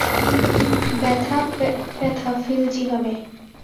ব্যথা প্যাথাফিলজি হবে।